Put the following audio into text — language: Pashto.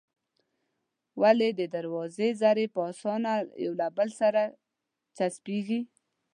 ولې د واورې ذرې په اسانه له يو بل سره چسپېږي؟